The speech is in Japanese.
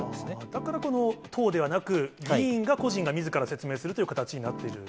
だから、党ではなく、議員が、個人がみずから説明するという形になっている？